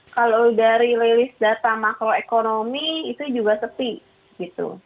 kalau dari rilis data makroekonomi itu juga sepi gitu